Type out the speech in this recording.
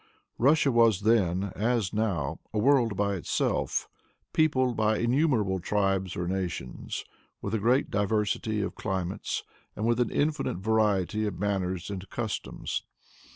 Russia was then, as now, a world by itself, peopled by innumerable tribes or nations, with a great diversity of climates, and with an infinite variety of manners and customs.